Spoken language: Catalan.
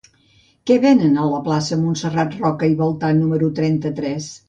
Què venen a la plaça de Montserrat Roca i Baltà número trenta-tres?